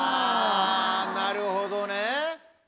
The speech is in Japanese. なるほどね。